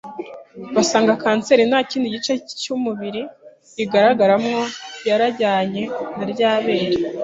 basanga Cancer nta kindi gice cy’umubiri igaragaramo yarajyanye na rya bere,